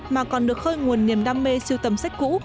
mà còn được khơi nguồn niềm đam mê siêu tầm sách cũ